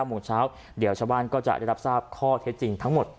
โมงเช้าเดี๋ยวชาวบ้านก็จะได้รับทราบข้อเท็จจริงทั้งหมด